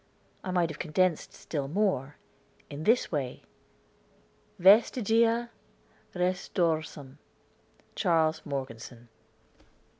I might have condensed still more. In this way VESTIGIA RETRORSUM. CHARLES MORGESON.